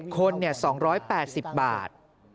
๗คนเนี่ย๒๘๐บาท